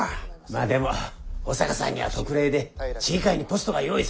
まあでも保坂さんには特例で市議会にポストが用意されましたから。